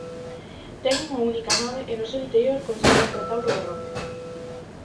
Ten unha única nave e no seu interior conserva un retablo barroco.